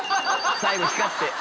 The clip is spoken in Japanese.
最後光って。